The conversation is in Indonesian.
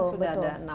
sudah ada enam tahun